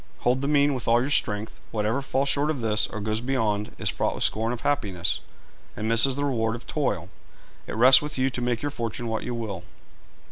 Hold the mean with all your strength. Whatever falls short of this, or goes beyond, is fraught with scorn of happiness, and misses the reward of toil. It rests with you to make your fortune what you will.